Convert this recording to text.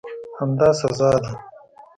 همدا سزا ده.